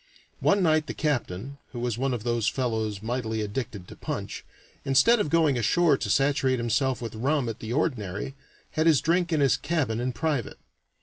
One night the captain (who was one of those fellows mightily addicted to punch), instead of going ashore to saturate himself with rum at the ordinary, had his drink in his cabin in private.